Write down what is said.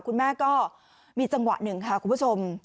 คุณแม่ก็มีจังหวะหนึ่งค่ะคุณผู้ชม